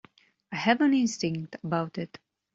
I have an instinct about it.